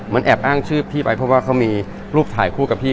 มันแอบอ้างชื่อพี่ไปเพราะว่าเขามีรูปถ่ายคู่กับพี่